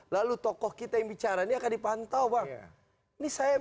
lalu tokoh kita yang bicara ini akan dipantau bang